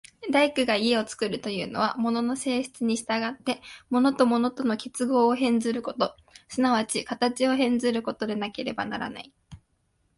大工が家を造るというのは、物の性質に従って物と物との結合を変ずること、即ち形を変ずることでなければならない。